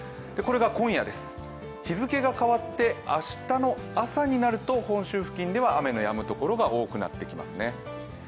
これが今夜です、日付が変わって明日の朝になると本州付近では雨のやむ所が多くなってきますね。